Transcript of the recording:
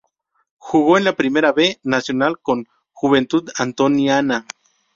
Jugó en la Primera B Nacional, con Juventud Antoniana.